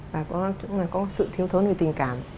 và có sự thiếu thớn về tình cảm